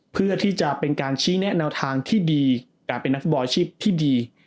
เพื่อที่จะเป็นการชี้แนะแนวทางที่ดีการเป็นนักฟุตบอลอาชีพที่ดี